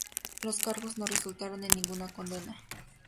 Los cargos no resultaron en ninguna condena.